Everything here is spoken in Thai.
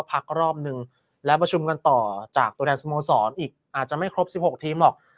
ภาครอบหนึ่งและประชุมกันต่อจากตัวเนถสมศนอีกอาจจะไม่ครบ๑๖ทีมหรอก